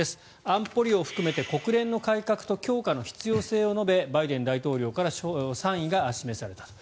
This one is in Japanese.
安保理を含めて国連の改革と強化の必要性を述べバイデン大統領から賛意が示されたと。